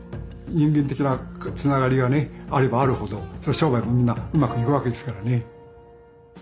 人間的なつながりがねあればあるほど商売もみんなうまくいくわけですからね。